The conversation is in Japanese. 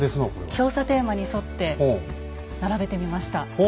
調査テーマに沿って並べてみました。